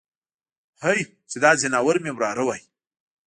هی چې دا ځناور مې وراره وای.